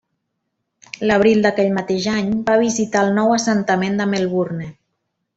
L'abril d'aquell mateix any va visitar el nou assentament de Melbourne.